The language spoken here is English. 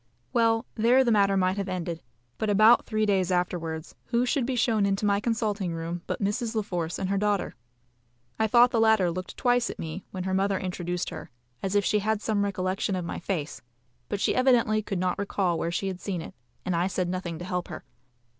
Well, there the matter might have ended; but about three days afterwards who should be shown into my consulting room but Mrs. La Force and her daughter. I thought the latter looked twice at me, when her mother introduced her, as if she had some recollection of my face; but she evidently could not recall where she had seen it, and I said nothing to help her.